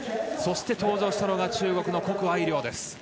そして登場したのは中国の谷愛凌。